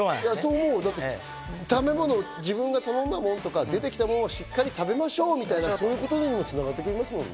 食べ物を自分が頼んだものとか出てきたものをしっかり食べましょうみたいな、そういうことにも繋がってきますもんね。